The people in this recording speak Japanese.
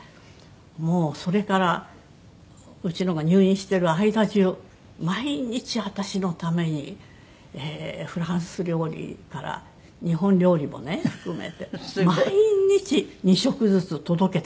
もうそれからうちのが入院してる間中毎日私のためにフランス料理から日本料理もね含めて毎日２食ずつ届けてくだすったの。